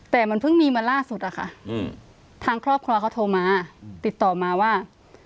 แต่มันเพิ่งมีมาล่าสุดอะค่ะทางครอบครัวเขาโทรมาติดต่อมาว่า